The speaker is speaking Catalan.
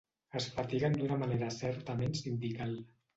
Es fatiguen d'una manera certament sindical.